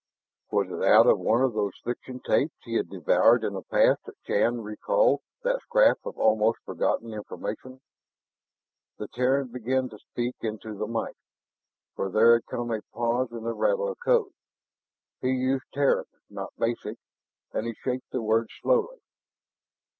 Was it out of one of those fiction tapes he had devoured in the past that Shann recalled that scrap of almost forgotten information? The Terran began to speak into the mike, for there had come a pause in the rattle of code. He used Terran, not basic, and he shaped the words slowly.